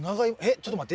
ちょっと待って。